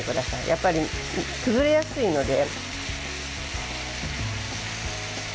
やっぱり崩れやすいので。